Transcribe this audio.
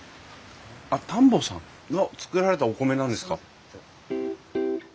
あっ田んぼさん。が作られたお米なんですか？